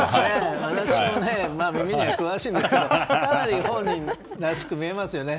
私も耳には詳しいですけどかなり本人らしく見えますね。